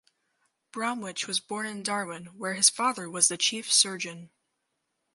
Bromwich was born in Darwin where his father was the Chief Surgeon.